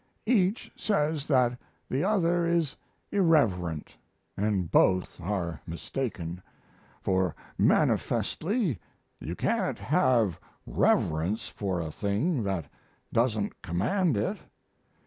Each says that the other is irreverent, and both are mistaken, for manifestly you can't have reverence for a thing that doesn't command it.